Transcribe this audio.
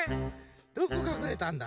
どこかくれたんだ？